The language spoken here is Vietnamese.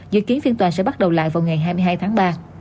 dự kiến phiên tòa sẽ bắt đầu lại vào ngày hai mươi hai tháng ba